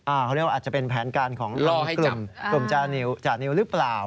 อาจจะเป็นแผนการของกลุ่มจานิวหรือเปล่า